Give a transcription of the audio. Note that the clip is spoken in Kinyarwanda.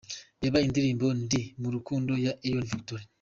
Reba indirimbo Ndi mu Rukundo ya Elion Victory:.